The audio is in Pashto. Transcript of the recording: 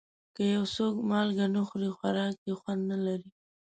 که یو څوک مالګه نه خوري، خوراک یې خوند نه لري.